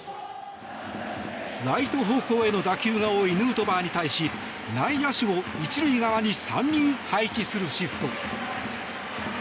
ライト方向への打球が多いヌートバーに対し内野手を１塁側に３人配置するシフト。